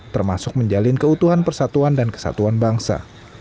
termasuk menjalin keutuhan persatuan dan kesatuan bangsa